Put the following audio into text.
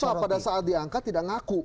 susah pada saat diangkat tidak ngaku